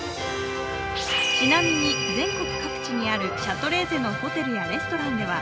ちなみに、全国各地にあるシャトレーゼのホテルやレストランでは